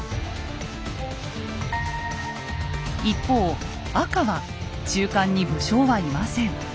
一方赤は中間に武将はいません。